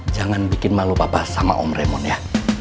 jangan bikin malu papa sama om remon ya